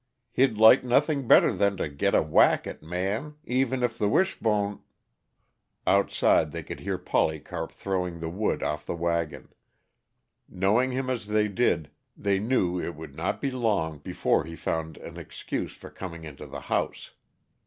He'd like nothing better than to get a whack at Man, even if the Wishbone " Outside, they could hear Polycarp throwing the wood off the wagon; knowing him as they did, they knew, it would not be long before he found an excuse for coming into the house.